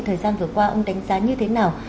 thời gian vừa qua ông đánh giá như thế nào